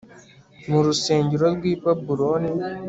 mu rusengero rw i Babuloni